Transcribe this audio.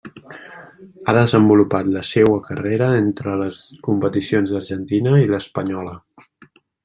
Ha desenvolupat la seua carrera entre les competicions d'Argentina i l'espanyola.